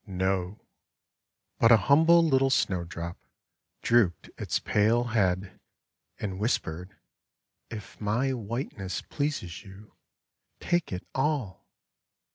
THE FIRST SNOWDROP CAME 303 But a humble little Snowdrop drooped its pale head and whispered, "If my whiteness pleases you, take it all!'